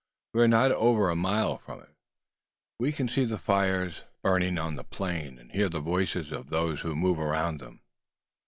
We are not over a mile from it. We can see the fires burning on the plain, and hear the voices of those who move around them.